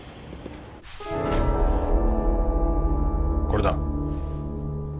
これだ。